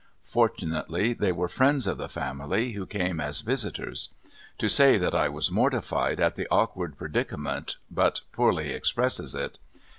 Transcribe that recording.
Fortunately they were friends of the family, who came as visitors. To say that I was mortified at the awkward predicament, but poorly expresses it.